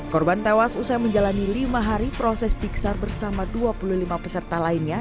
korban tewas usai menjalani lima hari proses tiksar bersama dua puluh lima peserta lainnya